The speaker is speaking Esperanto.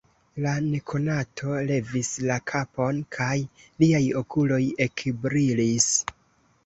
La nekonato levis la kapon, kaj liaj okuloj ekbrilis.